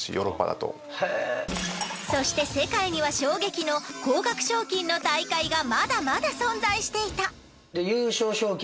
そして世界には衝撃の高額賞金の大会がまだまだ存在していた。